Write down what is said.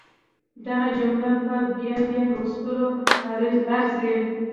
دغه جمله په بيا بيا لوستلو ارزي.